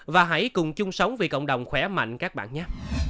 và hãy cùng chung sống vì cộng đồng khỏe mạnh các bạn nhé